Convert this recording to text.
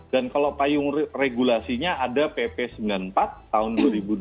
dan kalau payung regulasinya ada pp sembilan puluh empat tahun dua ribu dua puluh satu